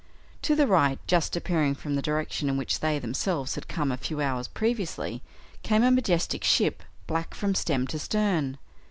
To the right, just appearing from the direction in which they themselves had come a few hours previously, came a majestic ship black from stem to stern.